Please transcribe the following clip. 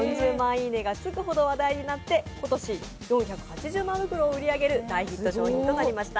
「いいね」がつくほど話題になって今年４８０万袋を売り上げる大ヒット商品になりました。